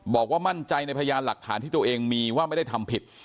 บอกว่ามั่นใจในพยานหลักฐานที่ตัวเองมีว่าไม่ได้ทำผิด